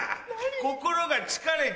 心が疲れた。